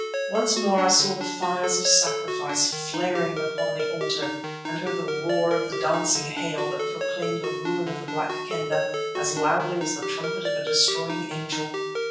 Once more I saw the fires of sacrifice flaring upon the altar and heard the roar of the dancing hail that proclaimed the ruin of the Black Kendah as loudly as the trumpet of a destroying angel.